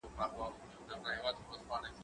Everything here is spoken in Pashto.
دا قلمان له هغو پاک دي؟!